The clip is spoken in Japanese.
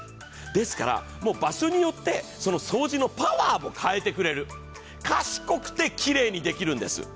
ですから場所によって掃除のパワーも変えてくれる賢くてきれいにできるんです。